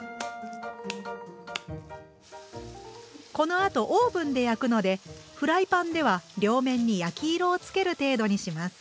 このあとオーブンで焼くのでフライパンでは両面に焼き色をつける程度にします。